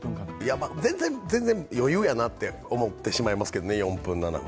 全然、余裕やなって思ってしまいますけどね、４分なら。